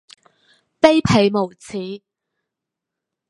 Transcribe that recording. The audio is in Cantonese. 卑鄙無恥